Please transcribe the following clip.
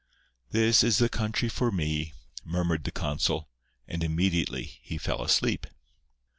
"This is the country for me," murmured the consul, and immediately he fell asleep.